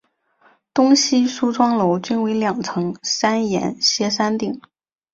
东西梳妆楼均为两层三檐歇山顶。